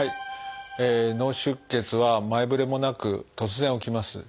脳出血は前触れもなく突然起きます。